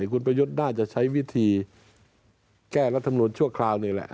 คุณประยุทธ์น่าจะใช้วิธีแก้รัฐมนุนชั่วคราวนี่แหละ